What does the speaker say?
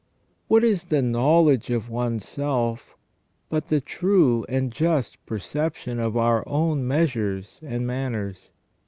What is the knowledge of one's self but the true and just perception of our own measures and manners?